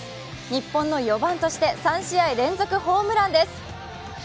日本の４番として３試合連続ホームランです。